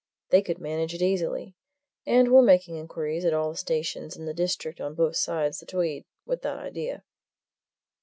They could manage it easily and we're making inquiries at all the stations in the district on both sides the Tweed, with that idea."